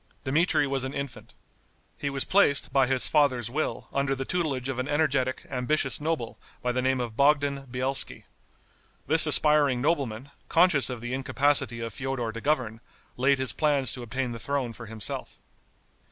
Dmitri was an infant. He was placed, by his father's will, under the tutelage of an energetic, ambitious noble, by the name of Bogdan Bielski. This aspiring nobleman, conscious of the incapacity of Feodor to govern, laid his plans to obtain the throne for himself.